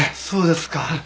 そうですか。